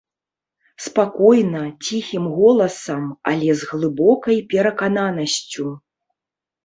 Спакойна, ціхім голасам, але з глыбокай перакананасцю.